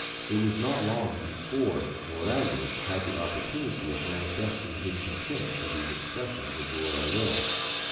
It was not long before Loazes had the opportunity of manifesting his contempt for these expressions of the royal will.